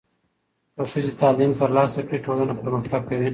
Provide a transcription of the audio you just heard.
که ښځې تعلیم ترلاسه کړي، ټولنه پرمختګ کوي.